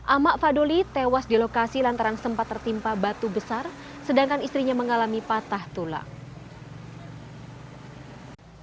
amak fadoli tewas di lokasi lantaran sempat tertimpa batu besar sedangkan istrinya mengalami patah tulang